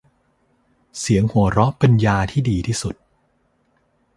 เสียงหัวเราะเป็นยาที่ดีที่สุด